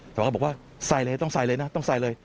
แต่ว่าบอกว่าใส่เลยต้องใส่เลยนะต้องใส่เลย